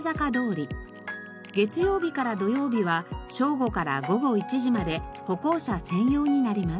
月曜日から土曜日は正午から午後１時まで歩行者専用になります。